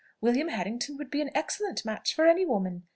William Harrington would be an excellent match for any woman.